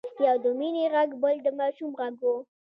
يو د مينې غږ بل د ماشوم غږ و.